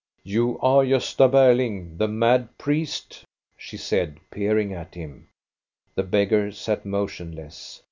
You are Gosta Berling, the mad priest? '* she said, peering at him. The beggar sat motionless.